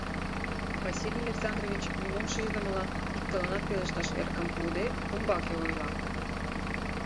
Василий Александрович, нимом шиждымыла, иктыланат пелешташ эрыкым пуыде, умбаке ойла: